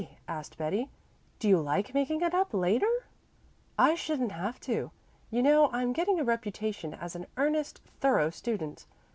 asked Betty. "Do you like making it up later?" "I shouldn't have to. You know I'm getting a reputation as an earnest, thorough student.